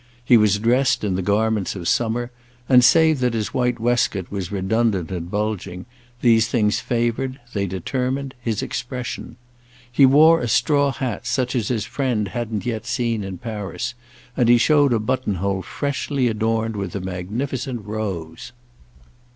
He was dressed in the garments of summer; and save that his white waistcoat was redundant and bulging these things favoured, they determined, his expression. He wore a straw hat such as his friend hadn't yet seen in Paris, and he showed a buttonhole freshly adorned with a magnificent rose.